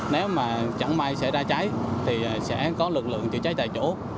nếu mà chẳng may sẽ ra cháy thì sẽ có lực lượng chữa cháy tại chỗ